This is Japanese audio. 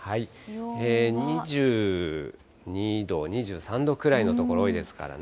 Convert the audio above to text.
２２度、２３度くらいの所多いですからね。